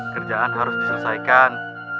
kerjaan harus diselesaikan